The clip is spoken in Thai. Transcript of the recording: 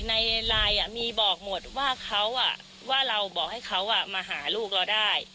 ในไลน์มีบอกหมดว่าเขาว่าเราบอกให้เขามาหาลูกเราได้